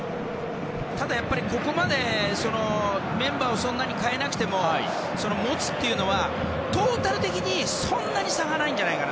ただやっぱり、ここまでメンバーをそんなに代えなくても持つっていうのはトータル的にそんなに差がないんじゃないかな。